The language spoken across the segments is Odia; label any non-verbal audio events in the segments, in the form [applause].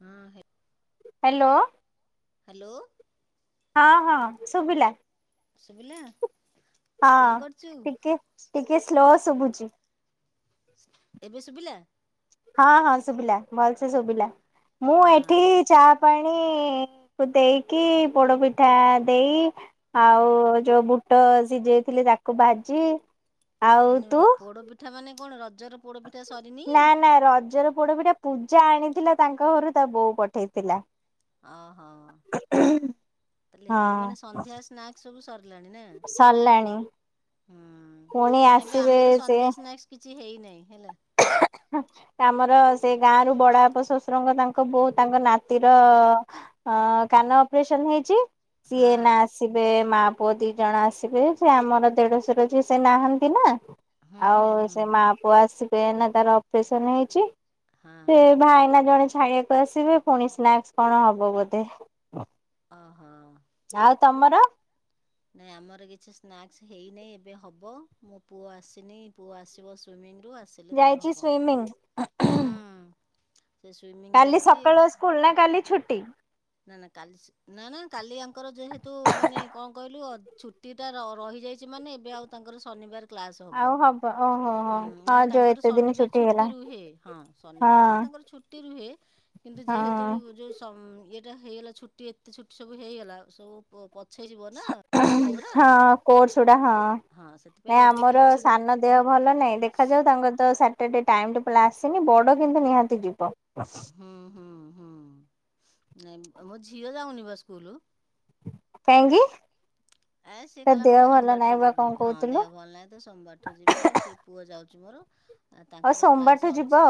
ହଁ। ହ୍ୟାଲୋ। ହ୍ୟାଲୋ। ହଁ ହଁ ଶୁଭିଲା। ଶୁଭିଲା। ହଁ କଣ କରୁଛୁ ଟିକେ ଟିକେ ସ୍ଲୋ ଶୁଭୁ [unintelligible] ଏବେ ଶୁଭିଲା। ହଁ ହଁ ଶୁଭିଲା ଭଲସେ ଶୁଭିଲା। ମୁଁ ହଁ ଏଠି ଚା ପାଣିକୁ ଦେଇକି, ପୋଡ ପିଠା ଦେଇ, ଆଉ ଯୋଉ ବୁଟ ସିଝେଇଥିଲି ତାକୁ ଭାଜି ଆଉ ତୁ ମାନେ ପୋଡ ପିଠା ମାନେ କଣ ରଜର ପୋଡ ପି ନା ନା ରଜର ପୋଡ ପିଠା ପୂଜା ଆଣିଥିଲା ତାଙ୍କ ଘରୁ ତା ବୋଉ ପଠେଇଥିଲା। ଓହୋ ତାହଲେ ଏତିକି ହଁ ମାନେ ସନ୍ଧ୍ୟା ସ୍ନାକ୍ସ ସବୁ ସରିଲାଣି ନା, ସରିଲାଣି ହୁଁ ପୁଣି ନାଇଁବେ ଆସିବେ ଆମର ସେ ସନ୍ଧ୍ୟା ସ୍ନାକ୍ସ କିଛି ହେଇନାହିଁ। ହେଲା ଆମର ସେ ଗାଁ ର ବଡପ ଶ୍ୱଶୁରଙ୍କ ତାଙ୍କ ବୋଉ ତାଙ୍କ ନାତିର କାନ ଅପରେସନ ହେଇଛି। ହଁ ସିଏ ନା ଆସିବେ ମା ପୁଅ ଦି ଜଣ ଆସିବେ ସେ ଆମର ଦେଢଶୁରଝି ସେ ନାହାନ୍ତି ନା ହୁଁ ଆଉ ହୁଁ ହୁଁ ସେ ମା ପୁଅ ଆସ ସେ ଏନା ତାର ସେସନ ହେଇଛି ହଁ ସେ ଭାଇନା ଜଣେ ଖାଇବାକୁ ଆସିବେ ପୁଣି ସ୍ନାକ୍ସ କଣ ହବ ବୋଧେ ଓହୋ ଆଉ ତମର ନାଇଁ ଆମର କିଛି ସ୍ନାକ୍ସ ହେଇନହିଁ ଏବେ ହବ ମୋ ପୁଅ ଆସିନି ପୁଅ ଆସିବ ସୁଇମିଙ୍ଗ ଯାଇଛି ସ୍ଵିମିଙ୍ଗ ହଁ କାଲି ସକାଳୁ ସ୍କୁଲ ନା କାଲି ଛୁଟି ନା ନା କାଲି ନା ନା କାଲି ଆଙ୍କର ଯେହେତୁ ମାନେ କଣ କହିଲୁ ଛୁଟି ଟା ରହିଯାଇଛି ମାନେ ଏବେ ଆଉ ତାଙ୍କର ଶନିବାର ଆଉ ହବ ଓହୋ ହୋ ହଁ ନଲେ ଯୋଉ ତାଙ୍କର ଏତେ ଦିନ ଶନିବାର ଛୁଟି ହେଲା ଛଟି ରୁହେ ହଁ ହଁ ଶନିବାର ତ ତାଙ୍କର ଛୁଟି ରୁହେ କିନ୍ତୁ ଯେତୁ ହଁ। ଯୋଉ ଟା ହେଇଗଲା ଛୁଟି ଏତେ ଛୁଟି ସବୁ ହେଇଗଲା ସବୁ ପଛେଇଯିବ ନା ପାଠଗୁରା ହଁ କୋର୍ସୁଡା ହଁ ହଁ ସେଥିପାଇଁ ନାଇ ଏବେ ଆମର କିଛି ଦିନ ସାନ ଦେହ ଭଲ ନାଇଁ ଦେଖାଯାଉ ତାଙ୍କର ତ ଟ ଟାଇ ଟେବଲ ଆସିନି ବଡ଼ କିନ୍ତୁ ନିହାତି ଯିବ ହୁଁ ହୁଁ ହୁଁ ନ ମୋ ଝିଅ ଯାଉନି ସ୍କୁଲ କହିଁଙ୍ଗି ଆ ସିଏ କହିଲ ମୁଁ ସୋମବାରଠୁ ଯିବି କଣ ହଁ କହୁଥିଲୁ ଦେହ ଭଲ ନାହିଁ ତ ସୋମବାର ଠୁ ଯିବି ସେ ପୁଅ ଯାଉଛି [inaudible] ଆ ଆଉ ତାଙ୍କର କ୍ଲାସ୍ ସୋମବାରଠୁ ଯିବ ଅଛି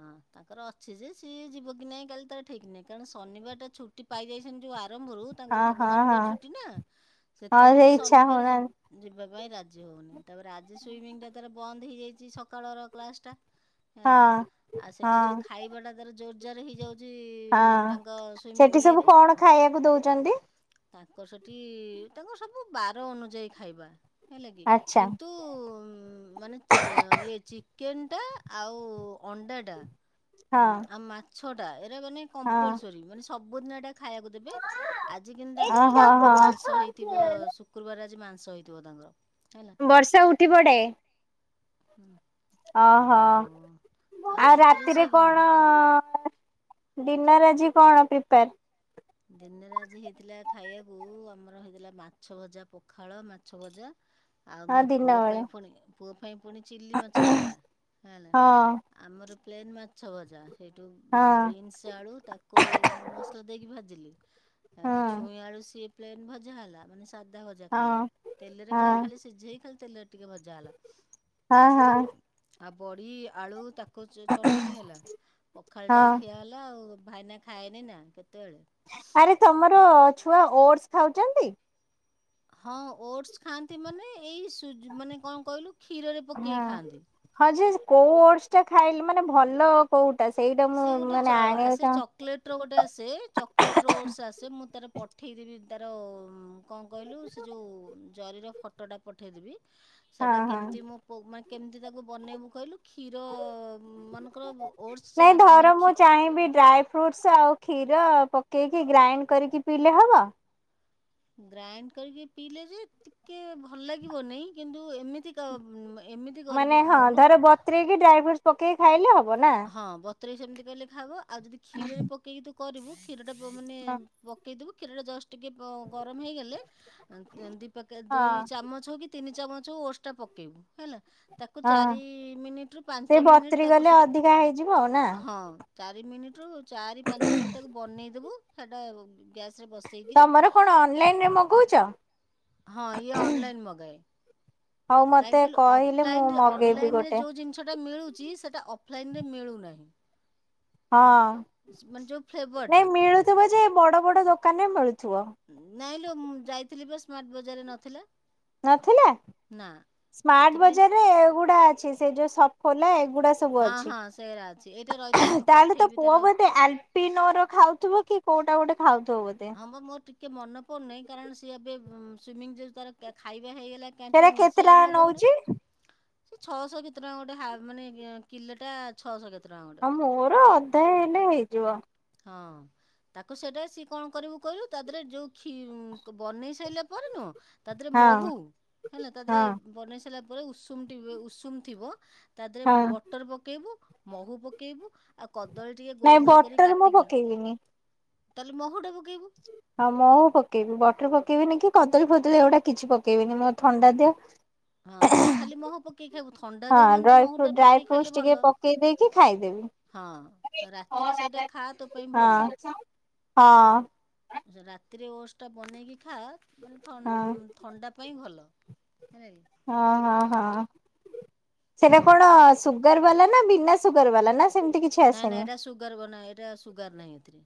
ହଁ ତାଙ୍କର ଅଛି ଯେ ସିଏ ଯିବ କି ନାହିଁ କାଲି ତାର ଠିକ ନାଇଁ କାରଣ ଶନିବାର ଟା ଛୁଟି ପାଇଯାଇଛନ୍ତି ଯୋଉ ଆରମ୍ଭରୁ ତାଙ୍କର ଆଉ ସବୁ ହଁ ହଁ ଶନିବାର ହଁ ଛୁଟି ନା ହଁ ସେଥିପାଇଁ ସେ ଇଚ୍ଛା ଶନିବାର ଯ ହଉନାହାନ୍ତି। ଯିବ ପାଇଁ ରାଜି ହଉନି ତାପରେ ଆଜି ସୁଇମିଂ ଟା ତାର ବନ୍ଦ ହେଇଯାଇଛି ସକାଳର କ୍ଲାସ୍ଟା ହେଲା ହଁ ଆଉ ସେଠି ଯୋଉ ହଁ ଖାଇବାଟା ତର ଯୋଉ ଜାର ହେଇଯାଉଛି ତାଙ୍କ ହଁ ସୁଇମିଂ ସେଠି ସବୁ କଣ ଖାଇବାକୁ ଦଉଛନ୍ତି? ତାଙ୍କ ସେଠି ତାଙ୍କୁ ସବୁ ବାର ଅନୁଯାୟୀ ଖାଇବା। ହେଲା କିି ଆଚ୍ଛା କିନ୍ତୁ ମାନେ ଇଏ ଚିକେନଟା ଆଉ ଅଣ୍ଡାଟା ହଁ ଆମ ଛଟା ମାନେ ହଁ ଙ୍କମ୍ପଲ୍ ସୋରି [unintelligible] ଖାଇବାକୁ ଦେବେ ଆଜି କିନ୍ତୁ ତାଙ୍କର ଓହୋ ହଁ। ମାଂସ ହେଇ ଶୁକ୍ରବାର ମାଂସ ହେଇଥିବ ତାଙ୍କର। ବର୍ଷା ଉଠି ପଡେ। ହଲା [inaudible] ଓହୋ ଆଉ ରାତିରେ କଣ ଡିନର୍ ଆଜି କଣ ପ୍ରିପେୟାର ଦିନରେ ଆଜି ହେଇଥିଲା ଖାଇବାକୁ ଆମର ହେଇଥିଲା ମାଛଭଜା ପଖାଳ ମାଛଭଜା। ଆଉ ହଁ ମୋ ଦିନ ପୁଅ ବେଳେ ପାଇଁ ପୁଣି ପ ପାଇଁ ପୁଣି ଚିଲିମାଛ ହେଲା ହେ ହେଲା ହଁ ଆମର ପ୍ଲେନ୍ ମାଛ ଭଜା। ସେଇଠୁ ହଁ ବିନ୍ସ ଆଳୁ ତାକୁ ମସଲା ଦେଇକି ଭାଜ ହଁ [unintelligible] ଛୁଇଁ ଆଳୁ ସେ ପ୍ଲେନ୍ ଭଜା ହେଲା, ମାନେ ସାଧା ଭଜା ଖାଲି ହଁ ତେଲରେ ହଁ ମାନେ ଖାଲି ସିଝେଇ ଖା [unintelligible] ଟିକେ ଭଜା ହେଲା। ହଁ ହଁ ଆଉ ବଡ଼ି, ଆଳୁ ତାକୁ ଚଟଣି ହେଲା, ପଖାଳଟାଏ ହଁ ଖିଆ ହେଲା ଆଉ ଭାଇନା ଖାଏନି ନା କେତେବେଳେ। ଆରେ ତମର ଛୁଆ ଓଟସ ଖାଉଛନ୍ତି? ହଁ ଓଟସ ଖାଆନ୍ତି ମାନେ ଏଇ ସୁପ ମାନେ କଣ କହିଲୁ କ୍ଷୀରରେ ପକେଇ ହଁ ଖାଆନ୍ତି। ହଁ ଯେ କୋଉ ଓଡସ ଟା ଖାଇଲେ ମାନେ ଭଲ କୋଉ ସି ଗୋଟେ ଚ ଆସେ ଚକ୍ ଲେଟ୍ ର ଗୋଟେ ଆସେ ଚକ ଲେଟ୍ ର ଓଡଶ୍ ଆସେ। ମୁଁ ତାର ପଠେଇଦବି। ତାର କଣ କହିଲୁ ସେ ଜଉ ଜରିର ଫଟଟା ପଠେଇଦେବି। ହଁ ସେଟା ହଁ। କେମିତି ମୁଁ ପୁଅମାନ୍ କେମିତି ତାକୁ ବନେଇବୁ କହିଲୁ କ୍ଷୀର ମାନେକର ନାଇଁ ଧର ମୁଁ ଚାହିଁବି। ଡ୍ରାଏ ଫ୍ରୁଟଶ୍ ଆଉ କ୍ଷୀର ପକେଇକି, ଗ୍ରାଇଣ୍ଡ କରିକି ପିଇଲେ ହବ? ଗ୍ରାଇଣ୍ଡ କରକି ପିଇଲେ ଯେ ଟିକେ ଭଲ ଲାଗିବ ନାହିଁ କିନ୍ତୁ ଏମିତି ଏମିତି ମାନେ କରିକି ହଁ ଖାଉନୁ। ଧର ବତୁରେଇକି ଡ୍ରାଇ ଫ୍ରୁଟସ ପକେଇକି ଖାଇଲେ ହ ହଁ, ବତୁରେଇକି ସେମିତି କହିଲେ ଖାଇବ। ଆଉ ଯଦି କ୍ଷୀରରେ ପକେଇକି କରିବୁ କ୍ଷୀର ଟା ମାନେ ହଁ ପକେଇଦବୁ କ୍ଷୀର ଟା ଦଶ ଟିକେ ଗରମ ହେଇଗଲେ ଦିଖ ଦି ଚାମଚ ହଉ କି ତିନି ଚାମଚ ହୋଉ ଓଡ୍ସ ଟା ପକେଇବୁ। ହେଲା ତାକୁ ହଁ ଚାରି ମିନିଟ୍ ରୁ ସେ ପାଞ୍ଚ ମିନିଟ୍ ବତୁରି ଗଲେ ତାକୁ ସେଟା ଅଧିକା ହେଇଯିବ ଆଉ ନା? ହଁ ଚାରି ମିନିଟ୍ ରୁ ଚାରି ପାଞ୍ଚ ମିନିଟ୍ ତାକୁ ବନେଇଦବୁ ସେଟା ଗ୍ୟାସରେ ବସେଇକିରି ତମର କଣ ଅନଲାଇନ୍ ରେ ମଗଉଚ? ହଁ ଇଏ ଅନଲାଇନ୍ ମଗାଏ। ମଗାଏ। ହଉ କାହିଁକି ମତେ କହିଲୁ କହିଲେ ମୁଁ ଅଫଲାଇନ୍ ମଗେଇବି ଅନଲାଇନ୍ ରେ ଗୋଟେ। ଯୋଉ ଜିନିଷ ଟା ମିଳୁଛି ସେ ସେଟା ଅଫଲାଇନ୍ ରେ ମିଳୁନାହିଁ। ହଁ, ହେଲା। ମାନେ ଯେଉଁ ଫ୍ଲେଭରଟା ନାଇଁ ମିଳୁଥିବ ଯେ ବଡ ବଡ ଦୋକାନରେ ମିଳୁଥିବ। ଥୁବ। ନାଇଁ ଲୋ ମୁଁ ଯାଇଥିଲି ପା ସ୍ମାର୍ଟ ବଜାରରେ ନଥିଲା। ନଥିଲା। ନା ସ୍ମାର୍ଟ ସେଥିପାଇଁ ସେ ବଜାରରେ ଏଗୁଡା ଅଛି ସେ ଯୋଉ ସ ଖୋଲା ଏ ଏଗୁଡା ସବୁ ହଁ ଅଛି ହଁ ସେରା ଅଛି ଏଇଟା ରହିଥା ମୁଁ [unintelligible] ତାହେଲେ ତୋ ପଠେଇବି ପୁଅ ତାର ବୋଧେ ଆଲପିନୋର ଖାଉଥିବ କି? କୋଉଟା ଗୋଟେ ଖାଉ [unintelligible] ଟିକ ମନେ ପଡୁ ନାହିଁ କାରଣ ସିଏ ଏବେ ସୁଇଂମି ଯୋଗୁ ତାର ଖାଇ ହେଇଗଲା ସେଟା କ୍ୟାଣ୍ଟିନ୍ ରେ କେତେ ସେ ଆଉ ଟଙ୍କା ନଉଛି? ମଗଉନାଇଁ। ଛଅ ଶହ କେତେ ଟଙ୍କା ଗୋଟେ ହା ମାନେ କି କିଲେଟା ଆ ଛଅ ଶହ କେତେ? ଟଙ୍କା ଗୋଟେ ହଁ ମୋର ଅଧା ହେଲେ ହେଇଯିବ। ହଁ ତାକୁ ସେଇଟା ସିଏ କଣ କରିବୁ କହିଲୁ ତା ଦେହରେ ଯୋଉ ଖୀ ବନେଇ ସାରିଲା ପରେ ନୁହଁ ତା ଦେହରେ ହଁ ମହୁ ହେଲା ତା ଦେହରେ ହଁ ବନେଇ ସାରିଲା ପୁରା ଉଷୁମ ଉଷୁମ ଥିବ ତା ଦେହରେ ହଁ। ବଟର୍ ପକେଇଵୁ ମହୁ ପକେଇବୁ ଆଉ କଦଳୀ ଟିକେ ଗୋଲ ନାଇଁ ଗୋଲ କରି ବଟର କାଟ ମୁଁ ପକେଇବିନି ତାହେଲେ ମହୁଟାକୁ ହଁ ମୁ ପକେଇବି ବଟର ପକେଇବିନି କି କଦଳୀ ଫଦଳି ଏଗୁଡ଼ା କିଛି ପକେଇବିନି ମୋର ଥଣ୍ଡା ଦେହ ହଁ ତାହଲେ ଖାଲି ମହୁ ପକେ ହଁ ଡ୍ରାଇ ଫ୍ରୁଟ ଡ୍ରାଇ ଫ୍ରୁଟ ଖାଇଲେ ଟିକେ ଭଲ ପକେଇ ଦେଇକି ହଁ ଖାଇଦେବି ରାତିରେ ହଁ ସେଇଟା ଖା ତୋ ପାଇଁ ଭଲ ହଁ। ରାତିରେ ଓଡ଼ସ ଟା ବନେଇକି ଖାଆ ମାନେ ହଁ ଥଣ୍ଡା ପାଇଁ ଭଲ। [unintelligible] ହଁ ହଁ ହଁ। ସେଟା କଣ ଆ ସୁଗାର ବାଲା ନା ବିନା ସୁୁଗର ବାଲା ନା ସେମିତି କିଛି ନାଇଁ ନାଇଁ ଆସେନି? ଏଟା ସୁଗାର ବନା ଏଟା ସୁଗାର ନାହିଁ ଏଥିରେ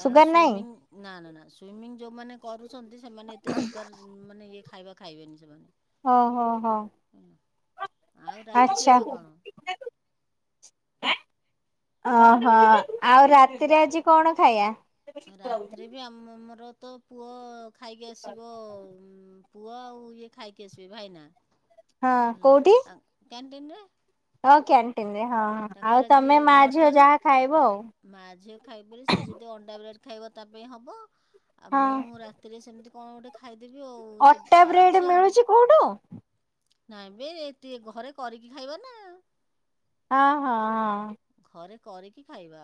କାରଣ ସୁଗାର ନାଇଁ ସୁଇମୀଙ୍ଗି ନା ନା ସୁଇମିଂ ଯୋଉମାନେ କରୁଛନ୍ତି ସେମାନେ ଏତେ ସୁଗାର ମାନେ ଖାଇବା ଖାଇବେନି ସେମାନେ। ହ ହ ହ। ଆଉ ରାତି ଆଚ୍ଛା। ଖାଇବା କଣ ଓହୋ ଆଉ ରାତିରେ ଆଜି କଣ ଖାଇବା? ରାତିରେ ବି ଆମ ଆମର ତ ପୁଅ ଖାଇକି ଆସିବ ପୁଅ ଆଉ ଇଏ ଖାଇକି ଆସିବେ ଭାଇନା। [unintelligible] ଦିନରେ ଓକେ ଆଣ୍ଟିି ନ ତାଙ୍କର ଆଜି ମଟନ୍ ଖାଇବ ଆଉ। ମାଆ ଝିଅ ଖାଇବୁ ବୋଲେ ସେ ଯଦି ଅଣ୍ଡା ବ୍ରେଡ ଖାଇବ ତା ପାଇଁ ହବ। ଆଉ ହଁ ମୁଁ ରାତିରେ ସେମିତି କଁ ଗୋଟେ ଖାଇ ଅଟା ବ୍ରେଡେ ମିଳୁଚି କୋଉଠୁ? ନାଇଁ ବେ ଟିଏ ଘରେ କରିକି ଖାଇବା ନା। ହଁ ହଁ ହଁ। ଘରେ କରିକି ଖାଇ ବା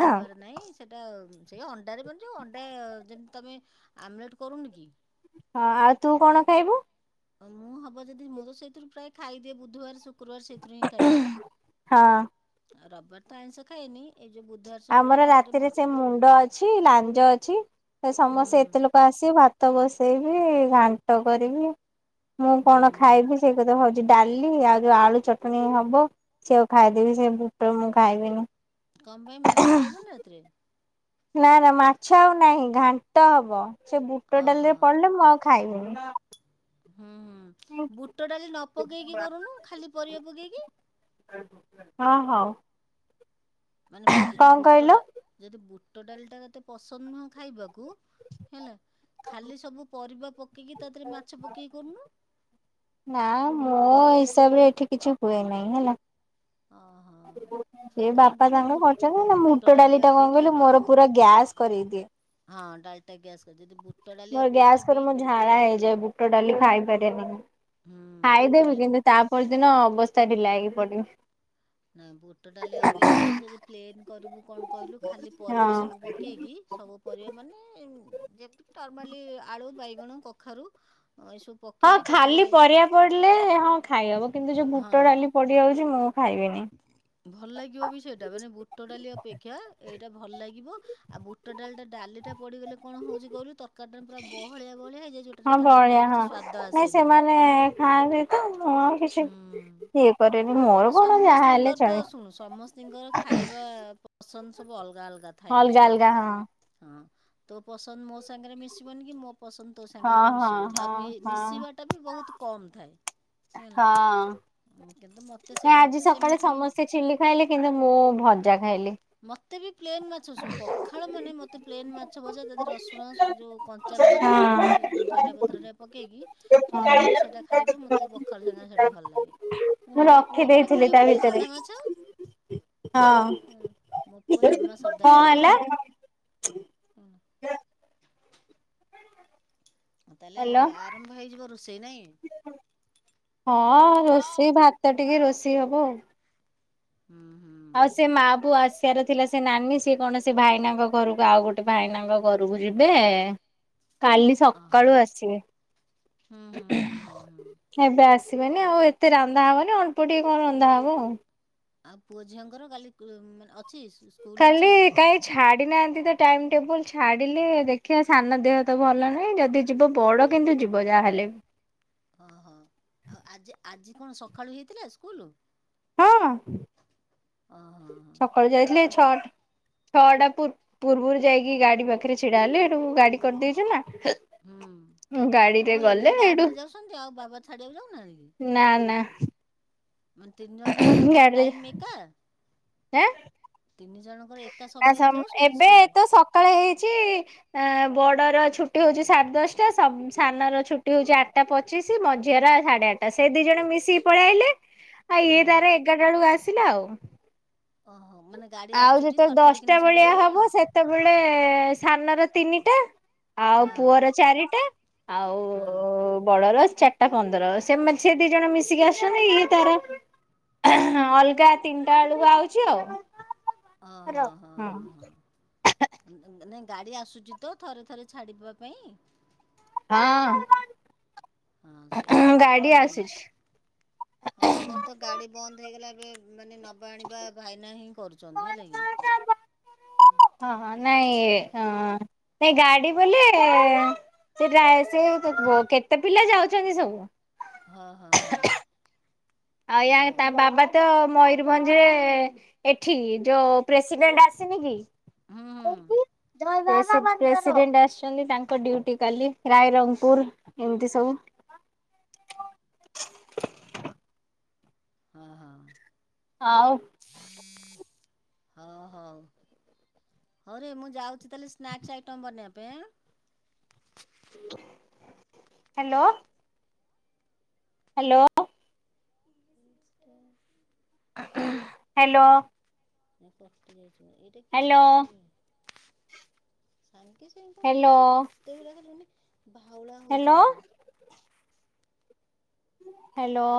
ହଁ। ନାଇଁ ସେଟା ସେଇ ଅଣ୍ଡାରେ ମାନ୍ ଯୋଉ ଅଣ୍ଡା ଯେମ୍ ତମେ ଆମଲେଟ କରୁନୁ କି? ହଁ ଆଉ ତୁ କଣ ଖାଇବୁ? ଅ ମୁଁ ହବ ଯଦି ମୁଁ ତ ସେଇଥିରୁ ପ୍ରାୟେ ଖାଇଦିଏ ବୁଧୁବାରେ ଶୁ କ୍ରୁବାରେ ସେଇଥିରୁ ହିଁ ଖାଇଦିଏ। ହଁ ଆଉ ରବିବାରେ ତ ଆଇଁଷ ଖାଏନି। ଏଇ ଯୋଉ ବୁଧବାର ଶୁକ୍ରବାର ଆମର ରାତିରେ ମୋ ସେ ମୁଣ୍ଡ ଅଛି ଲାଞ୍ଜ ଅଛି ସେ ହୁଁ ସମସ୍ତେ ଏତେ ଲୋକ ଆସିବେ ଭା ଭାତ ବସେଇବି ଘାଣ୍ଟ କରିବି। ମୁଁ ହୁଁ କଣ ହୁଁ ଖାଇବି ସେଇ କଥା ଭାବୁ ଡାଲି ଆଉ ଯୋଉ ଆଳୁ ଚଟଣି ହବ ସେଇଆକୁ ଖାଇଦେବି ସେ ବୁଟ ମୁଁ ଖାଇବିନି। କଣ ପାଇଁ ମାଛ ଖାଇବୁନି ରାତିରେ? ନା ନା ମାଛ ଆଉ ନାହି ଘାଣ୍ଟ ହବ। ସେ ବୁଟ ଓହୋ ଡାଲିରେ ପଡିଲେ ମୁଁ ଆଉ ଖା ଖାଇବିନି। ହୁଁ ହୁଁ ବୁଟ ଡାଲି ନ ପକେଇକି କରୁନୁ ଖାଲି ପରିବା ପକେଇକି। ହଁ ହଉ। ମାନେ ଯଦି କଣ ବୁଟଟା କହିଲ? ଯଦି ବୁ ବୁଟ ଡାଲିଟା ତତେ ପସନ୍ଦ ନୁହଁ ଖାଇବାକୁ ହେଲା ଖାଲି ସବୁ ପରିବା ପକେଇକି ତା ଦେହରେ ମାଛ ପକେଇକି କରୁନୁ। ନା ମୋ ହିସାବରେ ଏଠି କିଛି ହୁଏନାହିଁ ହେଲା। ଓହୋ ସେଇ କାହିଁକି ବାପା କହିଲୁ ତାଙ୍କର ବୁ କରଚନ୍ତି ହେନା ବୁଟ ଡାଲି ଡାଲିଟା କଣ ଅପେକ୍ଷା କହିଲୁ ନା ମୋର ପୁରା ଗ୍ୟାସ୍ କରେଇ ଦିଏ। ଡଲଟା ଗ୍ୟାସ୍ କରି ଯଦି ବୁଟ ଡାଲି ମୋର ଅପେକ୍ଷା ଗ୍ୟାସ ବି କରେ ମୋ ଝାଡା ହେଇଯାଏ ବୁଟ ଡାଲି ଖାଇପାରି [unintelligible] ହୁଁ ଖାଇଦେବି ନହେଲେ କିନ୍ତୁ ତାପରଦିନ ବସ୍ତା ଢିଲା ହେଇକି ପଡିବ। ନାଇ, ବୁଟ ଡାଲି ଅପେକ୍ଷା, ଯଦି ପ୍ଲେନ କରିବୁ, କଣ କହିଲୁ? ଖାଲି ହଁ। ପରିବା ସବୁ ପକେଇକି, ସବୁ ପରିବା ମାନେ ଯେକି ନର୍ମାଲି ଆଳୁ ବାଇ କଣ କଖାରୁ ଏସବୁ ହଁ ପକେଇକି ତା ଦେହରେ ଖାଲି ପରିବା ପଡିଲେ ହଁ ଖାଇ ହବ କିନ୍ତୁ ଯୋଉ ବୁଟ ହଁ ଡାଲି ପଡିଯାଉଛି ମୁଁ ଖାଇବିନି। ଭଲ ଲାଗିବ ବି। ସେଇଟା ମାନେ, ବୁଟ ଡାଲି ଅପେକ୍ଷା ଏଇଟା ଭଲ ଲାଗିବ। ଆଉ ବୁଟ ଡାଲି ଟା ଡାଲିଟା ପଡିଗଲେ, କଣ ହଉଛି କହିଲୁ? ତରକାରି ଟା ପୁରା ବହଳିଆ ବହଳିଆ ହେଇଯାଉଚି, ଯଉଟାରେ ହଁ ବଳିଆ ଘାଣ୍ଟର କିଛି ହଁ ସ୍ଵାଦ ନାଇଁ ଆସେ ନାହି। ସେମାନେ ହେଲା ଖାଆନ୍ତି ତ ମୁଁ ଆଉ କିଛି ହୁଁ ଇଏ କରେନି ମୋର ହଁ କଣ ଯାହା ହେଲେ ସମସ୍ତଙ୍କର ତ, ଚଳେ ଶୁଣୁ, ସମସ୍ତଙ୍କର ଖାଇବା ପସନ୍ଦ ସବୁ ଅଲଗା ଅଲଗା ଥାଏ। ଅଲଗା ବୁଝିପାରୁଛୁ ହଁ। ହଁ ତୋ ପସନ୍ଦ ମୋ ସାଙ୍ଗରେ ମିଶିବନି କି ମୋ ପସନ୍ଦ ତ ହଁ ସାଙ୍ଗରେ ବି ହଁ ମିଶିବନି ହଁ ଆଉ ହଁ ମିଶିବାଟା ବି ବହୁତ କମ ଥାଏ। ହେଲା। ହଁ। କିନ୍ତୁ ମ ନା ଆଜି ସକାଳେ ସମସ୍ତେ ଚିଲି ଖାଇଲେ, କିନ୍ତୁ ମୁଁ ଭଜା ଖାଇଲି। ମୋତେ ବି ପ୍ଲେନ୍ ମାଛ ଶୁଣ ପଖାଳ ମାନେ ପ୍ଲେନ୍ ମୋତେ ମା ମାଛ ଭଜା, ସେଥିରେ ରସୁଣ, ଯଉଁ କଞ୍ଚା ଲଙ୍କା ଚକଟିକି, ଧନିଆ ହଁ। ପତ୍ର ରେ ପକେଇକି ଚକଟିକି ସେଟା ଖାଇବୁ। ମୋତେ ପଖାଳ ସାଙ୍ଗେ ସେଇଟା ଭଲ ଲାଗେ, କିନ୍ତୁ ମୁଁ ମୋ। ପୁଅ ପୁରା ରଖିଦେଇଥିଲି ତା ଖାଇବ ନାହିଁ ଭିତରେ ସାଧା ମାଛ। ହୁଁ ମୋ ପୁଅ ଜମା ସାଧା କଣ ଖାଇବ ହେଲା? ନାହିଁ। [inaudible] ତାହେଲେ ହ୍ୟାଲୋ ଆରମ୍ଭ ହେଇଯିବାରୁ ସେଇ ନାହିଁ। ହଁ ରୋଷେଇ ଭାତ ଟିକେ ରୋଷେଇ ହବ ଆଉ। ହୁଁ। ହୁଁ ଆଉ ସେ ମାଆ ପୁଅ ଆସିବାର ଥିଲା। ସେ ନାନୀ, ସିଏ କଣ, ସେ ଭାଇନାଙ୍କ ଘରକୁ ଆଉ ଗୋଟେ ଭାଇନାଙ୍କ ଘରକୁ ଯିବେ। କାଲି ଓହୋ ସକାଳୁ ଆସିବେ ହୁଁ ହୁଁ ହୁଁ ହୁଁ ହୁଁ। ଏବେ ଆସିବେନି ହଁ ଆଉ ଏତେ ରାନ୍ଧା ହବନି। ଅଳ୍ପ ଟିକେ କଣ ରନ୍ଧା ହବ ଆଉ। ଆଉ ପୁଅ ଝିଅଙ୍କର କାଲି [unintelligible] ପୁ ମାନେ ଅ ଖାଲି କାହିଁ ଛାଡି ନାହାନ୍ତି ତ। ଟାଇମ ଟେବୁଲ୍ ଛାଡ଼ିଲେ ଦେଖିବା ସାନ ଦେହ ତ ଭଲ ନାହିଁ ଯଦି ଯିବ ବଡ଼ କିନ୍ତୁ ଯିବ ଯାହାହେଲେ ବି। ଓହୋ। ଆଉ ଆଜି ଆଜି କଣ ସକାଳୁ ହେଇଥିଲା ସ୍କୁଲ। ହଁ। ଓ ହୋ। ସକାଳୁ ଯାଇଥିଲେ। ଛଅଟା, ଛଅଟା ପୂର୍ବ, ପୂର୍ବରୁ ଯାଇକି ଗାଡି ପାଖରେ ଛିଡା ହେଲେ। ଏଠୁ ଗାଡି କରିଦେଇଛୁ ହୁଁ ନା। ଓହୋ ଗାଡିରେ ଏବେ ଗଲେ ଏଇଠୁ ଗାଡିରେ ଯାଉଛନ୍ତି ଆଉ ବାବା ଛାଡିବାକୁ ଯାଉନାହାନ୍ତି କି? ନା ନା। ମାନେ ତିନି ଜଣ ଯାଙ୍କର କଣ ଟାଇମ ଏକା। ଆଁ। ତିନି ଜଣଙ୍କର ଏକା ନା ସମୟରେ ସ ଯାଉଛନ୍ତି ଏବେ ସ୍କୁଲ? ତ ସକାଳେ ହେଇଛି ଆଁ। ବଡର ଛୁଟି ହଉଛି ସାଢେ ଦଶଟା ଶବ ସାନ ର ଛୁଟି ହଉଛି ଆଠଟା ପଚିଶ ମଝିଆ ର ସାଢେ ଆଠଟା ସେ ଦି ଜଣ ମିଶିକି ପଳେଇ ଆଇଲେ ଆଉ ଇଏ ତାର ହଁ ଏଗାରଟା ବେଳକୁ ଆସିଲା ଆଉ। ଓହୋ ମାନେ ଗାଡି ଆଉ ଆସୁଛି ଟି ଯେତେବେଳେ ଥରେ ଥରେ କିନି ଦଶଟା ଭଳିଆ ଛାଡିବା ପାଇଁ? ହବ ସେତେବେଳେ ସାନର ତିନି ଆଉ ହଁ ପୁଅର ଚାରିଟା ହଁ ଆଉ ବଡର ଚାରିଟା ପନ୍ଦର ସେମ ସେ ଦି ଜଣ ମିଶିକି ଆସୁଛନ୍ତି ଇଏ ତାର ଅଲଗା ତିନିଟା ବେଳକୁ ଆଉଛି ଆଉ। ହଁ ହଁ ହଁ ହଁ ହଁ ମାନେ ଗାଡ଼ି ଆସୁଛି ତ ଥରେ ଥରେ ଛାଡ଼ିବା ପାଇଁ? ହଁ। ହଁ ସେଇଟା ହଉଛି ଗାଡି ମେନେ ଆସୁଛି। [inaudible] ଆମର ତ ଗାଡି ବନ୍ଦ ହେଇଗଲା ଏବେ ମାନେ ନବା ଆଣିବା ଭାଇନା ହିଁ କରୁଛନ୍ତି ହେଲାକି। ହୁଁ [inaudible] ହଁ ହଁ ନାଇ ଗାଡି ବୋଲେ ସେ ଡା କେତେ ପିଲା ଯାଉଛନ୍ତି ସବୁ। ହଁ ହଁ ହଁ। ଆୟା ହଁ ହଁ ତା ବାବା ତ ମୟୂରଭଞ୍ଜ ରେ ଏଠି ଯୋଉ ପ୍ରେସିଡେଣ୍ଟ ଆସିନି କି। ହୁଁ ହୁଁ [inaudible] ସେହି ପ୍ରେସିଡେଣ୍ଟ ଆସିଛନ୍ତି ତାଙ୍କ ଡିୟୁଟି କାଲି ରାଇରଙ୍ଗପୁର ଏମିତି ସବୁ [inaudible] ହଁ ହଁ। ଆଉ [inaudible] ହଁ ହଉ ହଉରେ ମୁଁ ଯାଉଛି ତାହେଲେ ସ୍ନାକ୍ସ ଆଇଟମ ବନେଇବା ପାଇଁ ଆଁ। [inaudible] [inaudible] ହ୍ୟାଲୋ। ହ୍ୟାଲୋ। [inaudible] ହ୍ୟାଲୋ। [inaudible] ଏଇଟା କି ହ୍ୟାଲୋ କରଛୁ [inaudible] ସାଙ୍ଗେ ସାଙ୍ଗେ ସେ ଏଇ ହ୍ୟାଲୋ ସବୁ ଭୂତ ଗୁଡାକ ସବୁ ଭାଉଳା ହ୍ୟାଲୋ ହୋଉଛନ୍ତି। ହ୍ୟାଲୋ।